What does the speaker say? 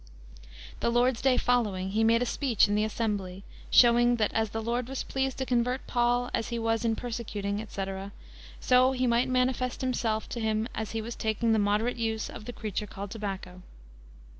~.~.~. The Lord's day following he made a speech in the assembly, showing that as the Lord was pleased to convert Paul as he was in persecuting, etc., so he might manifest himself to him as he was taking the moderate use of the creature called tobacco."